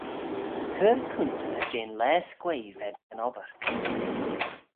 Cur coontey jeh'n laa s'quaaee v'ayd ec yn obbyr.